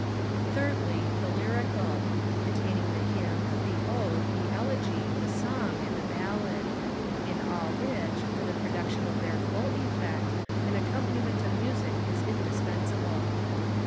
3rdly, The Lyrical, containing the Hymn, the Ode, the Elegy, the Song, and the Ballad; in all which, for the production of their full effect, an accompaniment of music is indispensable.